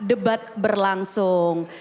saat debat berlangsung